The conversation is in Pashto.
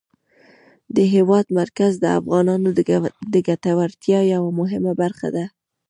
د هېواد مرکز د افغانانو د ګټورتیا یوه مهمه برخه ده.